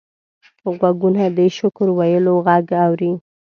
غوږونه د شکر ویلو غږ اوري